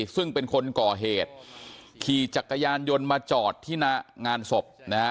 ซึ่งเป็นคนก่อเหตุขี่จักรยานยนต์มาจอดที่หน้างานศพนะฮะ